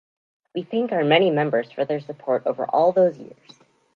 We thank our many members for their support over all those years.